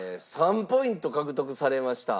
３ポイント獲得されました。